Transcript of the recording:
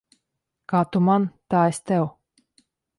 Kā tu man, tā es tev.